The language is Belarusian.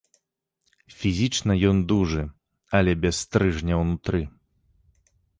Фізічна ён дужы, але без стрыжня ўнутры.